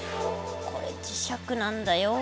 これ磁石なんだよ。